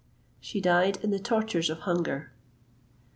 She died in the tortures of hunger.